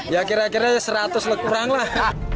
ya kira kira rp seratus kurang lah